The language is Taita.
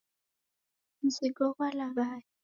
Mzigo ghwa laghaya